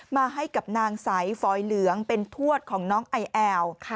มาให้กับนางใสฟอยเหลืองเป็นทวดของน้องไอแอล